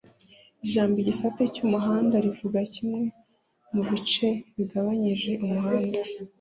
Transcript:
Ijambo igisate cy’umuhanda rivuga kimwe mu bice bigabanyije umuhanda